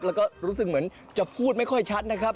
แล้วก็รู้สึกเหมือนจะพูดไม่ค่อยชัดนะครับ